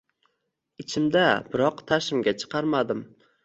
Ichimda biroq tashimga chiqarmadim.